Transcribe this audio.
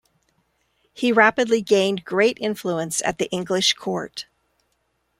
He rapidly gained great influence at the English court.